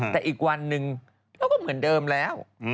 แต่อีกวันหนึ่งเขาก็เหมือนเดิมแล้ว